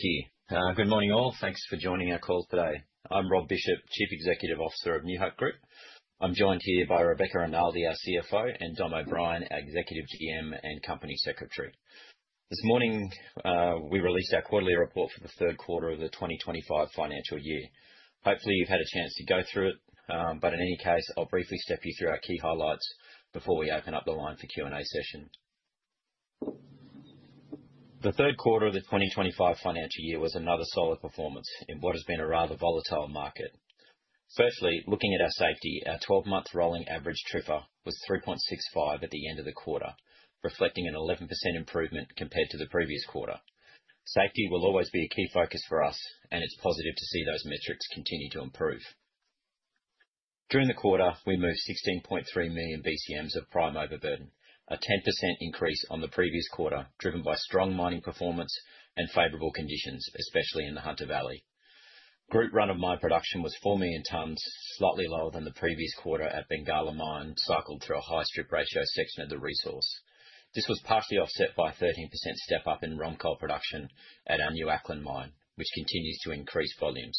Thank you. Good morning, all. Thanks for joining our call today. I'm Rob Bishop, Chief Executive Officer of New Hope Group. I'm joined here by Rebecca Rinaldi, our CFO, and Dom O'Brien, our Executive GM and Company Secretary. This morning, we released our quarterly report for the third quarter of the 2025 financial year. Hopefully, you've had a chance to go through it, but in any case, I'll briefly step you through our key highlights before we open up the line for Q&A session. The third quarter of the 2025 financial year was another solid performance in what has been a rather volatile market. Firstly, looking at our safety, our 12-month rolling average TRIFR was 3.65 at the end of the quarter, reflecting an 11% improvement compared to the previous quarter. Safety will always be a key focus for us, and it's positive to see those metrics continue to improve. During the quarter, we moved 16.3 million BCM of prime overburden, a 10% increase on the previous quarter, driven by strong mining performance and favorable conditions, especially in the Hunter Valley. Group run-of-mine production was 4 million tons, slightly lower than the previous quarter at Bengalla Mine, cycled through a high strip ratio section of the resource. This was partially offset by a 13% step-up in ROM coal production at our New Acland Mine, which continues to increase volumes.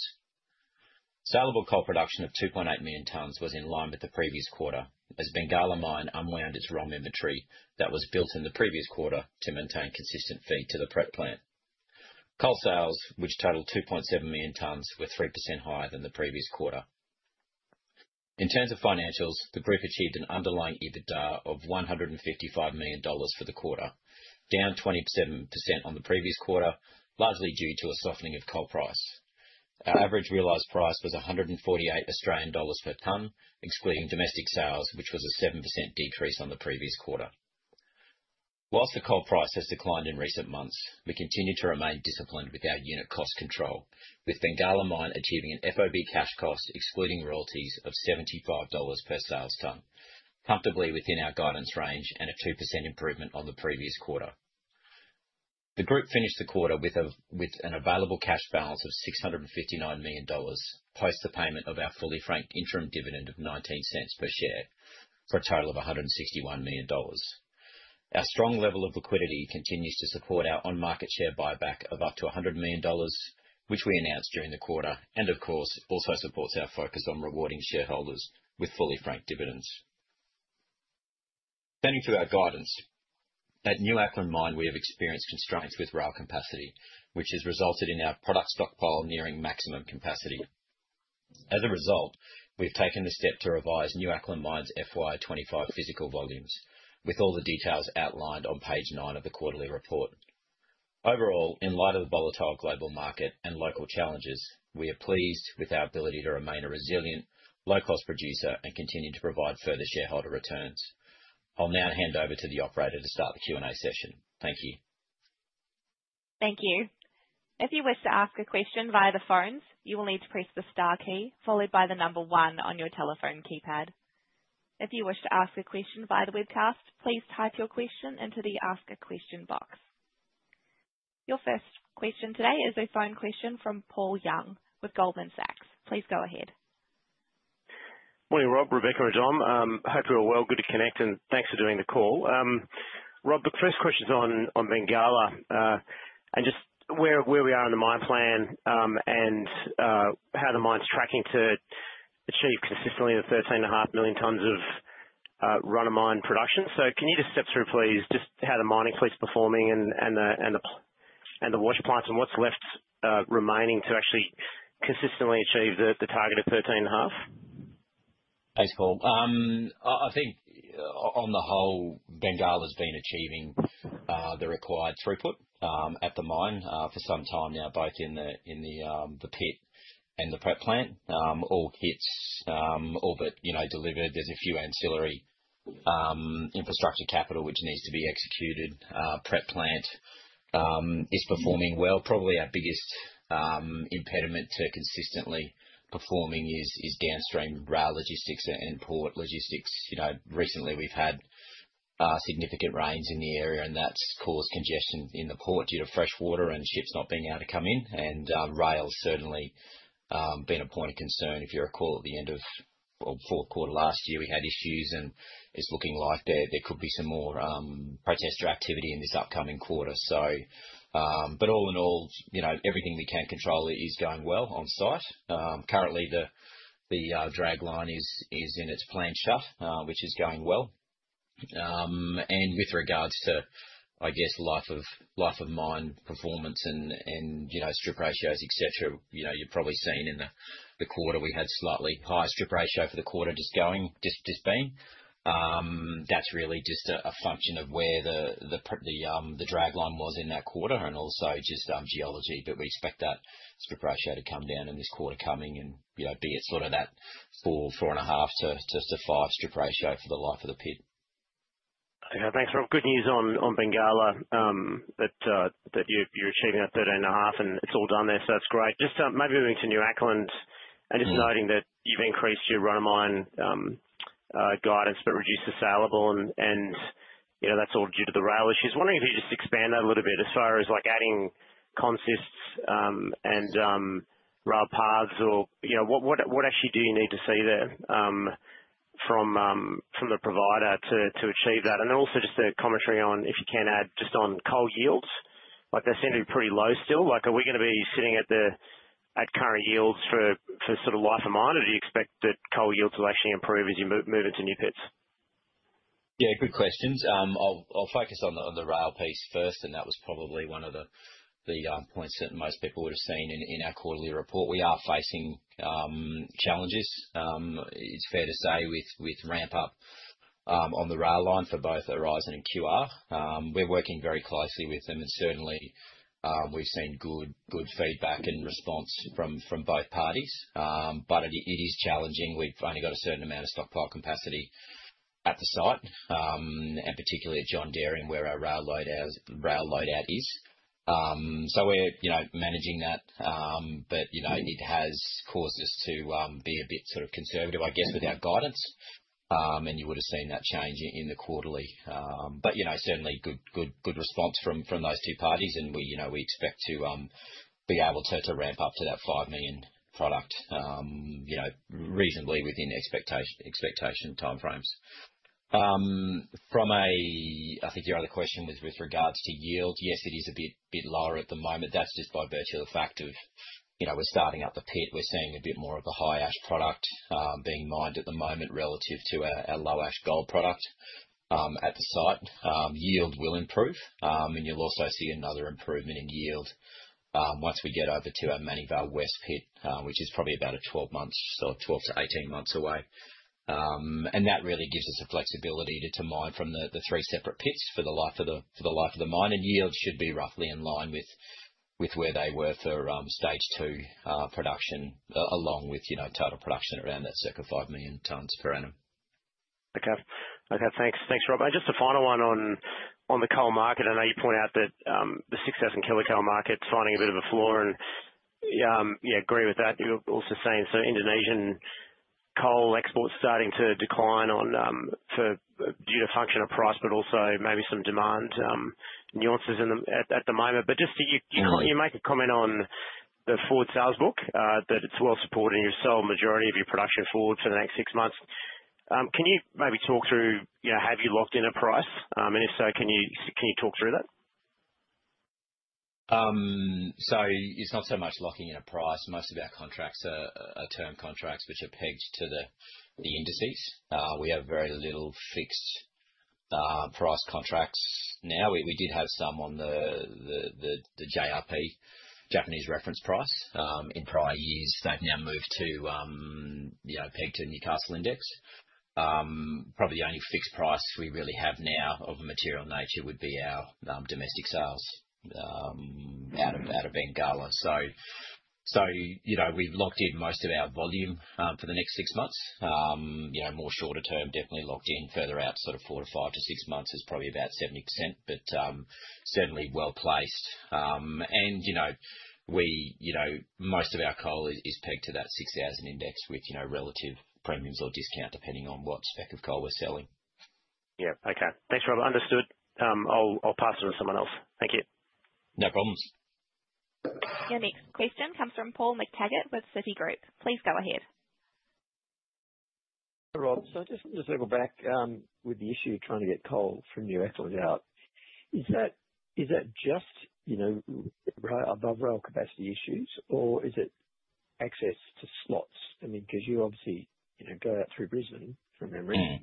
Saleable coal production of 2.8 million tons was in line with the previous quarter, as Bengalla Mine unwound its ROM inventory that was built in the previous quarter to maintain consistent feed to the prep plant. Coal sales, which totaled 2.7 million tons, were 3% higher than the previous quarter. In terms of financials, the group achieved an underlying EBITDA of 155 million dollars for the quarter, down 27% on the previous quarter, largely due to a softening of coal price. Our average realized price was 148 Australian dollars per ton, excluding domestic sales, which was a 7% decrease on the previous quarter. Whilst the coal price has declined in recent months, we continue to remain disciplined with our unit cost control, with Bengalla Mine achieving an FOB cash cost, excluding royalties, of 75 dollars per sales ton, comfortably within our guidance range and a 2% improvement on the previous quarter. The group finished the quarter with an available cash balance of 659 million dollars post the payment of our fully franked interim dividend of 0.19 per share for a total of 161 million dollars. Our strong level of liquidity continues to support our on-market share buyback of up to 100 million dollars, which we announced during the quarter, and, of course, also supports our focus on rewarding shareholders with fully franked dividends. Turning to our guidance, at New Acland Mine, we have experienced constraints with rail capacity, which has resulted in our product stockpile nearing maximum capacity. As a result, we've taken the step to revise New Acland Mine's FY2025 physical volumes, with all the details outlined on page nine of the quarterly report. Overall, in light of the volatile global market and local challenges, we are pleased with our ability to remain a resilient, low-cost producer and continue to provide further shareholder returns. I'll now hand over to the operator to start the Q&A session. Thank you. Thank you. If you wish to ask a question via the phones, you will need to press the star key, followed by the number one on your telephone keypad. If you wish to ask a question via the webcast, please type your question into the Ask a Question box. Your first question today is a phone question from Paul Young with Goldman Sachs. Please go ahead. Morning, Rob, Rebecca, and Dom. Hope you're all well. Good to connect, and thanks for doing the call. Rob, the first question's on Bengalla and just where we are in the mine plan and how the mine's tracking to achieve consistently the 13.5 million tons of run-of-mine production. Can you just step through, please, just how the mining fleet's performing and the wash plants and what's left remaining to actually consistently achieve the target of 13.5? Thanks, Paul. I think on the whole, Bengalla's been achieving the required throughput at the mine for some time now, both in the pit and the prep plant. All kits, all bit delivered. There's a few ancillary infrastructure capital which needs to be executed. Prep plant is performing well. Probably our biggest impediment to consistently performing is downstream rail logistics and port logistics. Recently, we've had significant rains in the area, and that's caused congestion in the port due to fresh water and ships not being able to come in. Rail's certainly been a point of concern. If you recall, at the end of our fourth quarter last year, we had issues, and it's looking like there could be some more protester activity in this upcoming quarter. All in all, everything we can control is going well on site. Currently, the dragline is in its planned shut, which is going well. With regards to, I guess, life of mine performance and strip ratios, etc., you've probably seen in the quarter we had slightly higher strip ratio for the quarter just been. That's really just a function of where the dragline was in that quarter and also just geology. We expect that strip ratio to come down in this quarter coming, and be at sort of that 4-4.5 to 5 strip ratio for the life of the pit. Okay. Thanks, Rob. Good news on Bengalla that you're achieving that 13.5, and it's all done there, so that's great. Just maybe moving to New Acland and just noting that you've increased your run-of-mine guidance but reduced the saleable, and that's all due to the rail issues. Wondering if you could just expand that a little bit as far as adding consists and rail paths or what actually do you need to see there from the provider to achieve that? Also just the commentary on, if you can add, just on coal yields. They seem to be pretty low still. Are we going to be sitting at current yields for sort of life of mine? Or do you expect that coal yields will actually improve as you move into new pits? Yeah, good questions. I'll focus on the rail piece first, and that was probably one of the points that most people would have seen in our quarterly report. We are facing challenges, it's fair to say, with ramp-up on the rail line for both Horizon and Queensland Rail. We're working very closely with them, and certainly, we've seen good feedback and response from both parties. It is challenging. We've only got a certain amount of stockpile capacity at the site, and particularly at John Dee, where our rail loadout is. We're managing that, but it has caused us to be a bit sort of conservative, I guess, with our guidance, and you would have seen that change in the quarterly. Certainly, good response from those two parties, and we expect to be able to ramp up to that 5 million product reasonably within expectation timeframes. I think your other question was with regards to yield. Yes, it is a bit lower at the moment. That is just by virtue of the fact of we're starting up the pit. We're seeing a bit more of a high-ash product being mined at the moment relative to our low-ash gold product at the site. Yield will improve, and you will also see another improvement in yield once we get over to our Manivar West pit, which is probably about a 12-month or 12-18 months away. That really gives us the flexibility to mine from the three separate pits for the life of the mine, and yield should be roughly in line with where they were for stage two production, along with total production around that circa 5 million tons per annum. Okay. Okay. Thanks, Rob. Just a final one on the coal market. I know you point out that the success in Kili coal market's finding a bit of a floor, and yeah, agree with that. You're also saying some Indonesian coal exports starting to decline due to functional price, but also maybe some demand nuances at the moment. Just you make a comment on the forward sales book that it's well supported and you'll sell the majority of your production forward for the next six months. Can you maybe talk through, have you locked in a price? If so, can you talk through that? It's not so much locking in a price. Most of our contracts are term contracts, which are pegged to the indices. We have very little fixed price contracts now. We did have some on the JRP, Japanese Reference Price, in prior years. They've now moved to peg to Newcastle Index. Probably the only fixed price we really have now of a material nature would be our domestic sales out of Bengalla. We've locked in most of our volume for the next six months. More shorter-term, definitely locked in further out, sort of four to five to six months is probably about 70%, but certainly well placed. Most of our coal is pegged to that 6,000 index with relative premiums or discount depending on what spec of coal we're selling. Yeah. Okay. Thanks, Rob. Understood. I'll pass it on to someone else. Thank you. No problems. Your next question comes from Paul McTaggart with Citigroup. Please go ahead. Hi, Rob. Just to circle back with the issue of trying to get coal from New Acland out, is that just above rail capacity issues, or is it access to slots? I mean, because you obviously go out through Brisbane, from memory.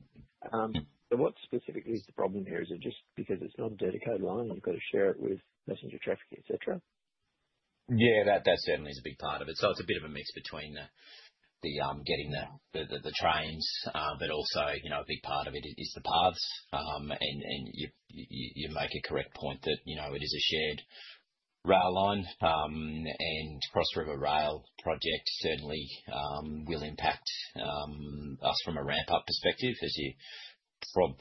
What specifically is the problem here? Is it just because it's not a dedicated line and you've got to share it with passenger traffic, etc.? Yeah, that certainly is a big part of it. It is a bit of a mix between getting the trains, but also a big part of it is the paths. You make a correct point that it is a shared rail line, and Cross River Rail project certainly will impact us from a ramp-up perspective, as you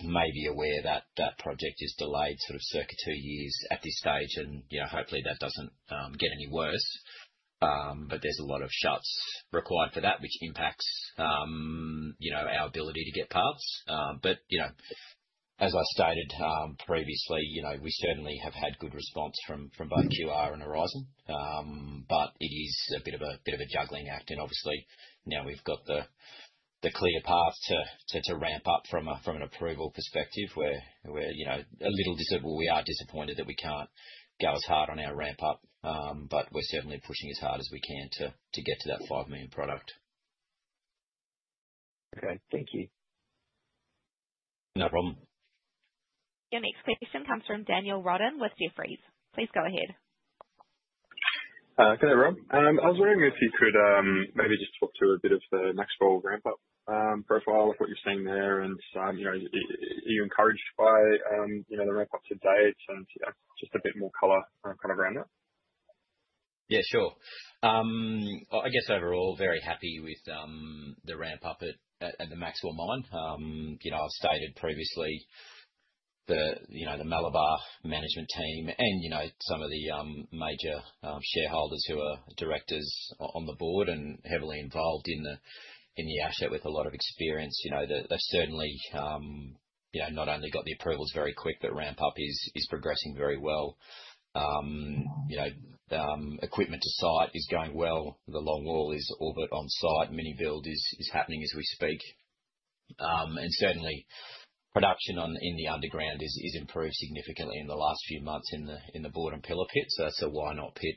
may be aware that that project is delayed sort of circa two years at this stage, and hopefully that does not get any worse. There is a lot of shuts required for that, which impacts our ability to get paths. As I stated previously, we certainly have had good response from both QR and Horizon, but it is a bit of a juggling act. Obviously, now we have got the clear path to ramp up from an approval perspective where a little disappointment. We are disappointed that we can't go as hard on our ramp-up, but we're certainly pushing as hard as we can to get to that 5 million product. Okay. Thank you. No problem. Your next question comes from Daniel Roden with Jefferies. Please go ahead. Hello. I was wondering if you could maybe just talk to a bit of the Maxwell ramp-up profile of what you're seeing there, and are you encouraged by the ramp-up to date and just a bit more color kind of around that? Yeah, sure. I guess overall, very happy with the ramp-up at the Maxwell Mine. I've stated previously the Malabar management team and some of the major shareholders who are directors on the Board and heavily involved in the asset with a lot of experience. They've certainly not only got the approvals very quick, but ramp-up is progressing very well. Equipment to site is going well. The Longwall is all but on site. Mini build is happening as we speak. Certainly, production in the underground has improved significantly in the last few months in the board and pillar pits. That is a why-not pit.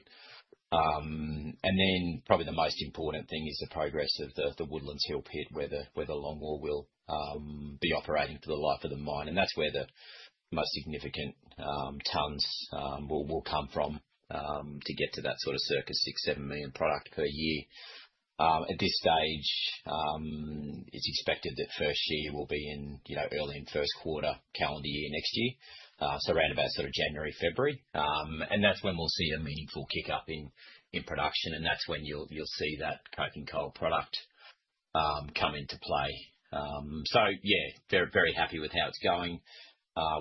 Probably the most important thing is the progress of the Woodlands Hill pit, where the Longwall will be operating for the life of the mine. That is where the most significant tons will come from to get to that sort of circa 6 million-7 million product per year. At this stage, it is expected that first year will be early in first quarter calendar year next year, so around about January, February. That is when we will see a meaningful kick-up in production, and that is when you will see that coking coal product come into play. Yeah, very happy with how it is going,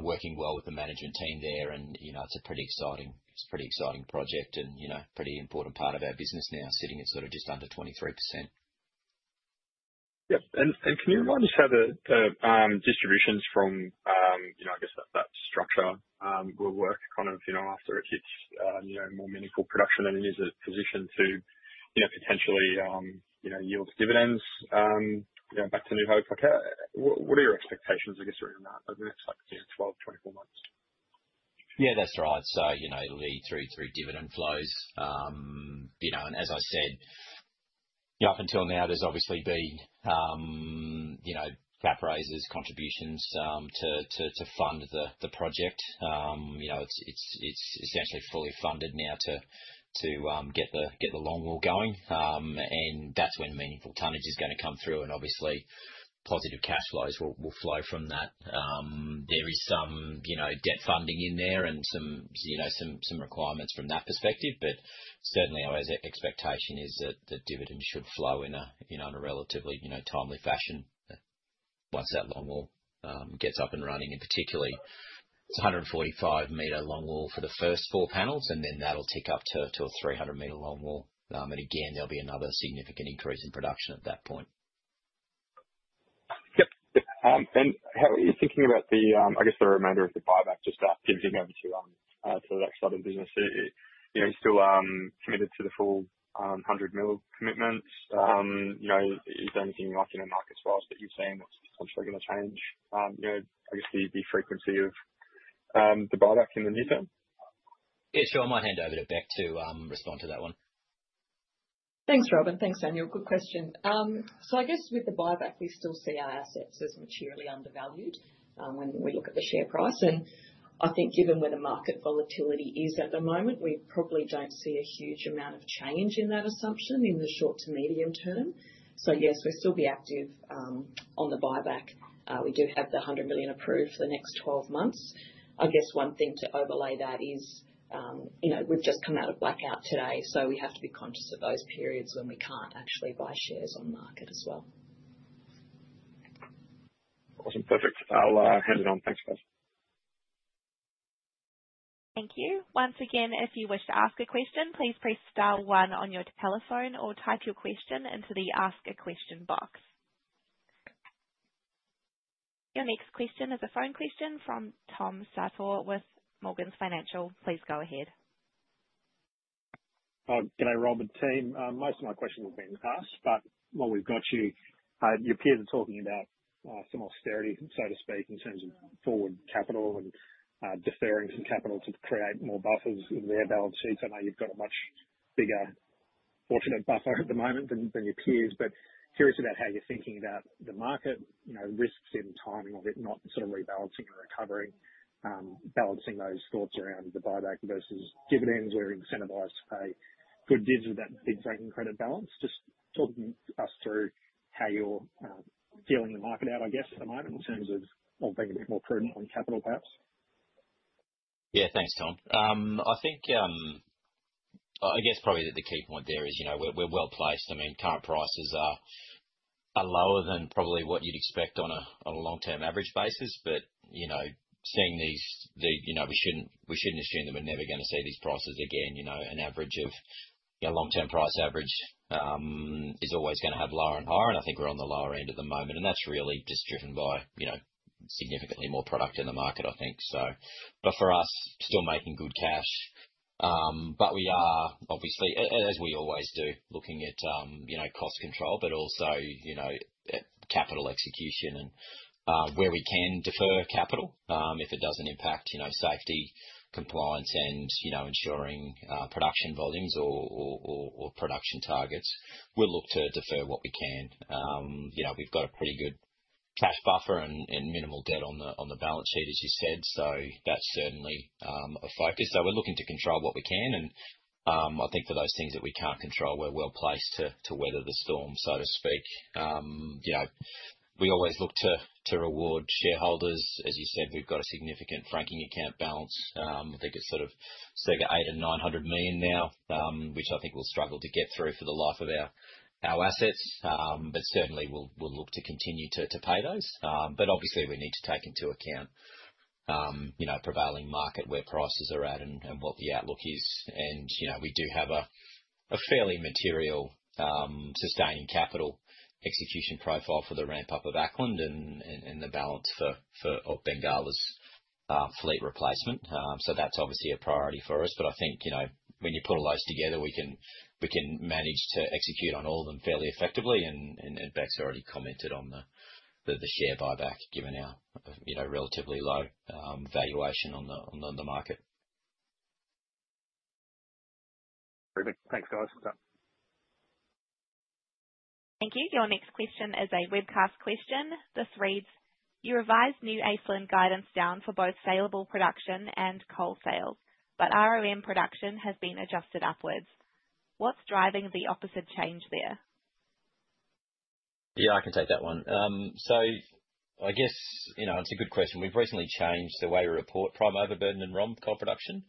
working well with the management team there, and it is a pretty exciting project and pretty important part of our business now, sitting at just under 23%. Yep. Can you remind us how the distributions from, I guess, that structure will work kind of after it hits more meaningful production and is it positioned to potentially yield dividends back to New Hope? What are your expectations, I guess, around that over the next 12-24 months? Yeah, that's right. It'll be through dividend flows. As I said, up until now, there's obviously been cap raises, contributions to fund the project. It's essentially fully funded now to get the Longwall going, and that's when meaningful tonnage is going to come through, and obviously, positive cash flows will flow from that. There is some debt funding in there and some requirements from that perspective, but certainly, our expectation is that dividends should flow in a relatively timely fashion once that Longwall gets up and running. Particularly, it's a 145 m Longwall for the first four panels, and then that'll tick up to a 300 m Longwall. Again, there will be another significant increase in production at that point. Yep. How are you thinking about the, I guess, the remainder of the buyback just after getting over to the next side of the business? Are you still committed to the full 100 million commitments? Is there anything you like in the markets for us that you've seen that's potentially going to change, I guess, the frequency of the buyback in the near term? Yeah, sure. I might hand over to Rebecca to respond to that one. Thanks, Robin. Thanks, Daniel. Good question. I guess with the buyback, we still see our assets as materially undervalued when we look at the share price. I think given where the market volatility is at the moment, we probably do not see a huge amount of change in that assumption in the short to medium term. Yes, we will still be active on the buyback. We do have the 100 million approved for the next 12 months. One thing to overlay that is we have just come out of blackout today, so we have to be conscious of those periods when we cannot actually buy shares on the market as well. Awesome. Perfect. I'll hand it on. Thanks, guys. Thank you. Once again, if you wish to ask a question, please press star one on your telephone or type your question into the ask a question box. Your next question is a phone question from Tom Sator with Morgans Financial. Please go ahead. Hello. G'day, Rob and team. Most of my questions have been asked, but while we've got you, your peers are talking about some austerity, so to speak, in terms of forward capital and deferring some capital to create more buffers in their balance sheets. I know you've got a much bigger fortunate buffer at the moment than your peers, but curious about how you're thinking about the market, risks in timing of it, not sort of rebalancing and recovering, balancing those thoughts around the buyback versus dividends where incentivized to pay good divs with that big franking credit balance. Just talking us through how you're feeling the market out, I guess, at the moment in terms of being a bit more prudent on capital, perhaps. Yeah, thanks, Tom. I guess probably the key point there is we're well placed. I mean, current prices are lower than probably what you'd expect on a long-term average basis, but seeing these, we shouldn't assume that we're never going to see these prices again. An average of a long-term price average is always going to have lower and higher, and I think we're on the lower end at the moment. That's really just driven by significantly more product in the market, I think. For us, still making good cash. We are, obviously, as we always do, looking at cost control, but also capital execution and where we can defer capital if it doesn't impact safety, compliance, and ensuring production volumes or production targets. We'll look to defer what we can. We've got a pretty good cash buffer and minimal debt on the balance sheet, as you said. That is certainly a focus. We're looking to control what we can. I think for those things that we can't control, we're well placed to weather the storm, so to speak. We always look to reward shareholders. As you said, we've got a significant franking account balance. I think it's sort of between 800 million and 900 million now, which I think we'll struggle to get through for the life of our assets. Certainly, we'll look to continue to pay those. Obviously, we need to take into account a prevailing market where prices are at and what the outlook is. We do have a fairly material sustaining capital execution profile for the ramp-up of New Acland and the balance for Bengalla's fleet replacement. That is obviously a priority for us. I think when you put all those together, we can manage to execute on all of them fairly effectively. Beck's already commented on the share buyback given our relatively low valuation on the market. Perfect. Thanks, guys. Thank you. Your next question is a webcast question. This reads, "You revise New Acland guidance down for both saleable production and coal sales, but ROM production has been adjusted upwards. What's driving the opposite change there? Yeah, I can take that one. I guess it's a good question. We've recently changed the way we report prime overburden and ROM coal production.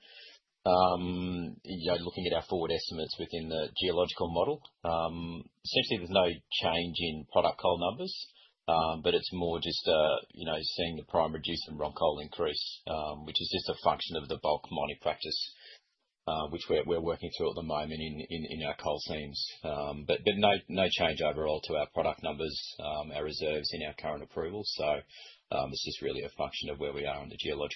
Looking at our forward estimates within the geological model, essentially, there's no change in product coal numbers, but it's more just seeing the prime reduce and ROM coal increase, which is just a function of the bulk mining practice, which we're working through at the moment in our coal seams. No change overall to our product numbers, our reserves in our current approvals. It's just really a function of where we are on the geological.